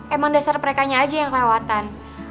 emang dasar merekanya aja yang kelewatan